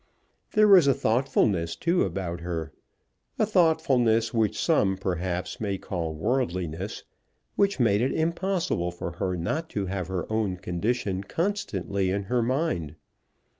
There was a thoughtfulness too about her, a thoughtfulness which some, perhaps, may call worldliness, which made it impossible for her not to have her own condition constantly in her mind.